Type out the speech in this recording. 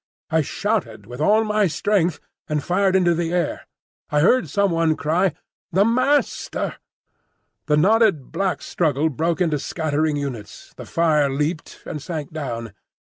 I shouted with all my strength and fired into the air. I heard some one cry, "The Master!" The knotted black struggle broke into scattering units, the fire leapt and sank down.